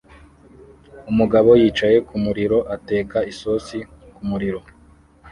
umugabo wicaye kumuriro ateka isosi kumuriro